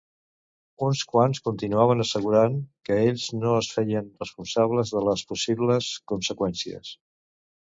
Uns quants continuaven assegurant que ells no es feien responsables de les possibles conseqüències.